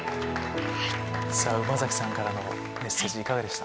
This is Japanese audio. さぁ馬さんからのメッセージいかがでした？